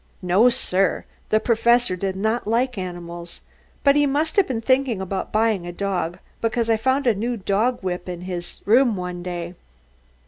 "No, sir; the Professor did not like animals. But he must have been thinking about buying a dog, because I found a new dog whip in his room one day."